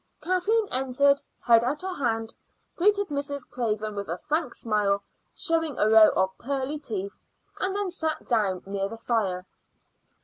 Kathleen entered, held out her hand, greeted Mrs. Craven with a frank smile, showing a row of pearly teeth, and then sat down near the fire.